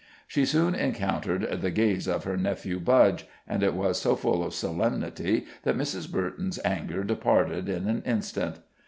She soon encountered the gaze of her nephew Budge, and it was so full of solemnity that Mrs. Burton's anger departed in an instant.